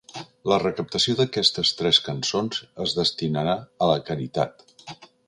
La recaptació d'aquestes tres cançons es destinarà a la caritat.